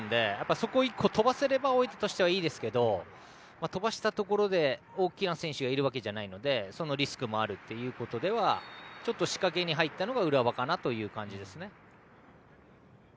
そこを１個飛ばせれば大分としてはいいですけど飛ばしたところで大きな選手がいるわけじゃないのでそのリスクもあるというところでは仕掛けに入ったのが浦和かなという感じですね。